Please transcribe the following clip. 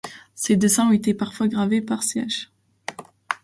Ses dessins ont été parfois gravés par Ch.